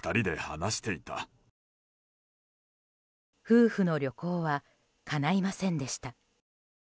夫婦の旅行はかないませんでした。